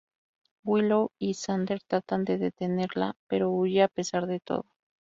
Willow y Xander tratan de detenerla pero huye a pesar de todo.